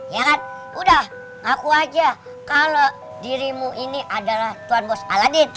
ya kan udah ngaku aja kalau dirimu ini adalah tuan bos aladin